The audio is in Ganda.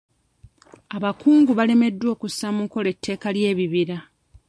Abakungu balemeddwa okussa mu nkola etteeka ly'ebibira.